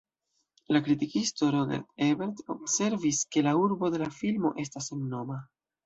La kritikisto Roger Ebert observis ke la urbo de la filmo estas sennoma.